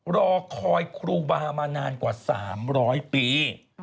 รอคอยครูบามานานกว่า๓๐๐ปี